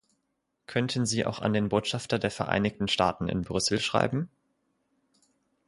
Könnten Sie auch an den Botschafter der Vereinigten Staaten in Brüssel schreiben?